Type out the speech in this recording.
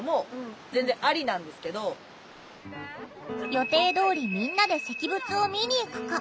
予定どおりみんなで石仏を見に行くか。